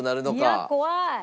いや怖い。